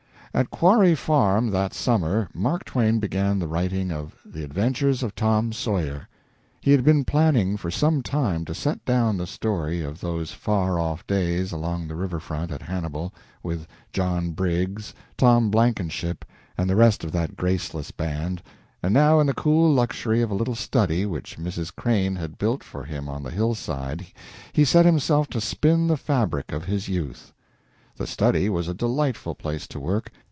At Quarry Farm that summer Mark Twain began the writing of "The Adventures of Tom Sawyer." He had been planning for some time to set down the story of those far off days along the river front at Hannibal, with John Briggs, Tom Blankenship, and the rest of that graceless band, and now in the cool luxury of a little study which Mrs. Crane had built for him on the hillside he set himself to spin the fabric of his youth. The study was a delightful place to work.